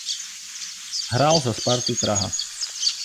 Hrál za Spartu Praha.